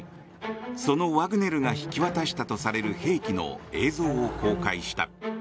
そのワグネルが引き渡したとされる兵器の映像を公開した。